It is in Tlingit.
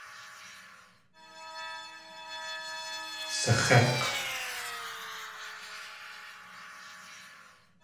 Sax̲ék̲!